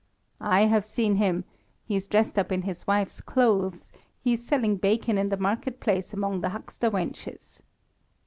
"I have seen him. He is dressed up in his wife's clothes; he is selling bacon in the market place among the huckster wenches."